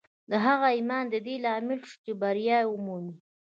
د هغه ایمان د دې لامل شو چې بریا ومومي